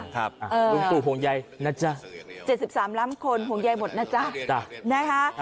คุณผู้ห่วงใย๗๓ล้ำคนห่วงใยหมดนะจ๊ะ